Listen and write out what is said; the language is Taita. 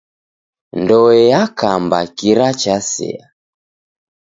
Ndoe yakamba kira chasea.